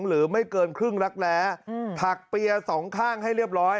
หรือไม่เกินครึ่งรักแร้ผักเปียสองข้างให้เรียบร้อย